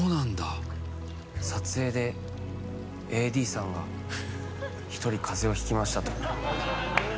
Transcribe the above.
撮影で、ＡＤさんが１人風邪をひきましたと。